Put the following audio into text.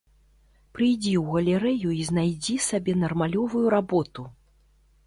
Прыйдзі ў галерэю і знайдзі сабе нармалёвую работу!